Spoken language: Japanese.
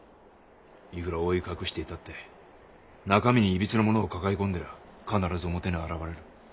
いくら覆い隠していたって中身にいびつなものを抱え込んでりゃ必ず表に現れる。